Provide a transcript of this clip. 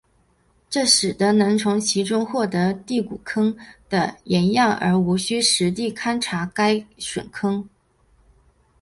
这使得能从其中获得第谷坑的岩样而无需实地勘查该陨坑。